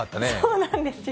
そうなんですよ。